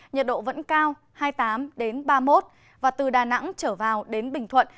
nhiệt độ vẫn cao hai mươi tám ba mươi một và từ đà nẵng trở vào đến bình thuận